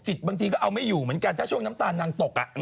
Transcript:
บางทีก็เอาไม่อยู่เหมือนกันถ้าช่วงน้ำตาลนางตก